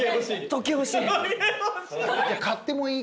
時計欲しい？